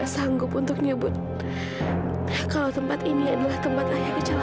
saya ngomong sebentar doang sama dia